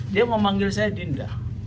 dia memanggil saya dinda